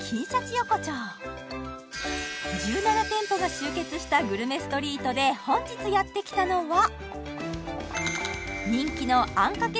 横丁１７店舗が集結したグルメストリートで本日やってきたのは人気のあんかけ